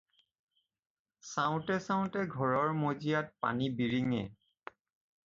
চাওঁতে চাওঁতে ঘৰৰ মজিয়াত পানী বিৰিঙে।